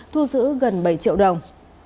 thu giữ gần bảy triệu đồng